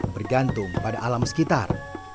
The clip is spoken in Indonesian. bergantung pada alam sekitar